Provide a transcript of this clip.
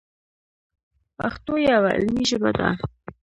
پښتو یوه علمي ژبه ده.